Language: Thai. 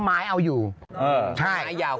ดำเนินคดีต่อไปนั่นเองครับ